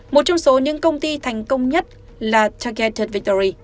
một trong số những công ty thành công nhất là targeted victory